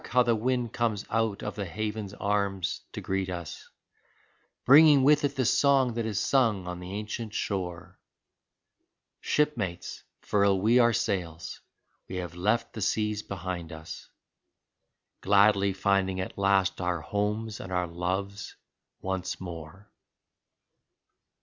how the wind comes out of the haven's arms to greet us, Bringing with it the song that is sung on the ancient shore ! Shipmates, furl we our sails — we have left the seas behind us, Gladly finding at last our homes and our loves once more.